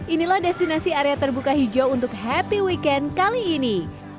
inilah destinasi area terbuka hijau untuk happy weekend kali ini